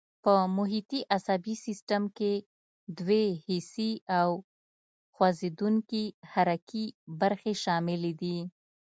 په محیطي عصبي سیستم کې دوې حسي او خوځېدونکي حرکي برخې شاملې دي.